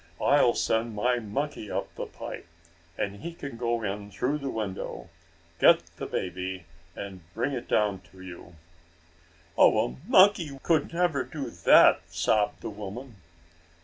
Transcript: I'll send my monkey up the pipe, and he can go in through the window, get the baby, and bring it down to you." "Oh, a monkey could never do that!" sobbed the woman.